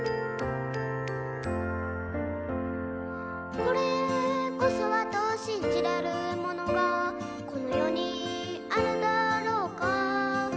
「これこそはと信じれるものが」「この世にあるだろうか」